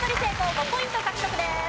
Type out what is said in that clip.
５ポイント獲得です。